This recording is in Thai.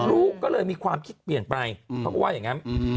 รู้ก็เลยมีความคิดเปลี่ยนไปเขาก็ว่าอย่างนั้น